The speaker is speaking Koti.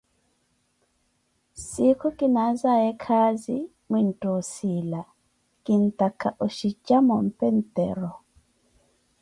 siikho kinaazaye khaazi, mwintta osiila, kintakha ki shije mompe ntero.